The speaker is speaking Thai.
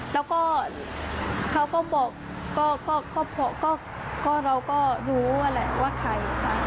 แล้วก็เขาก็บอกเราก็รู้ว่าใคร